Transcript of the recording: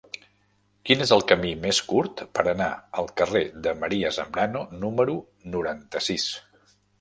Quin és el camí més curt per anar al carrer de María Zambrano número noranta-sis?